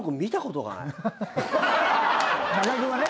中居君はね。